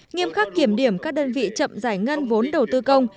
nghiêm khắc kiểm điểm các đơn vị chậm giải ngân vốn đầu tư công